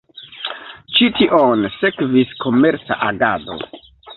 Ĉi tion sekvis komerca agado.